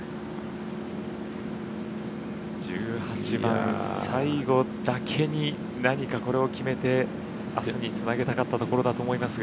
１８番、最後だけに何かこれを決めてあすにつなげたかったところだと思いますが。